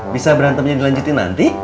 bisa berantemnya dilanjutin nanti